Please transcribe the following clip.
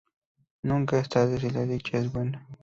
Nunca es tarde si la dicha es buena